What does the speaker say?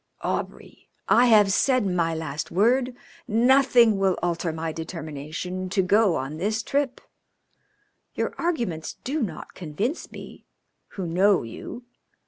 "Aubrey! I have said my last word. Nothing will alter my determination to go on this trip. Your arguments do not convince me, who know you.